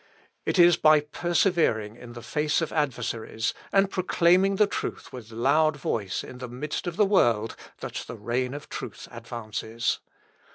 It is by persevering in the face of adversaries, and proclaiming the truth with loud voice in the midst of the world, that the reign of truth advances.